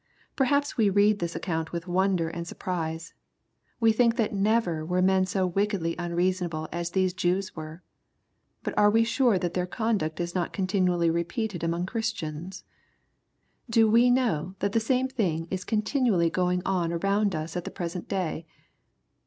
Perhaps we read this account with wonder and sur prise. We think that never were men so wickedly un reasonable as these Jews were. But are we sure that their conduct is not continually repeated among Chris tians ? Do we know that the same thing is continually going on around us at the present day